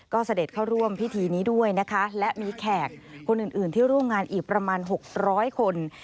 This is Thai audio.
ก็เสด็จเข้าร่วมพิธีนี้ด้วยนะคะและมีแขกคนอื่นที่ร่วมงานอีกประมาณ๖๐๐คน